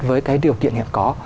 với cái điều kiện hiện có